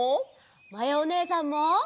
まやおねえさんも。